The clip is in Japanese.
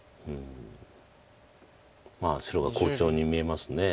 まあ白が好調に見えます。